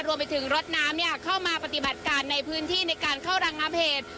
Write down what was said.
รวมไปถึงรถน้ำเข้ามาปฏิบัติการในพื้นที่ในการเข้าระงับเหตุ